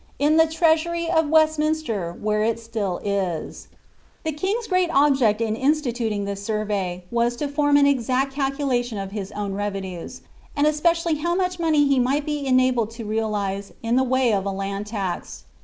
In the treasurie of Westminster, where it still is^" The king's great object in instituting this survey, was to form an exact calculation of his own revenues, and especially how much money ho night be enabled to realize in the way of a land tax.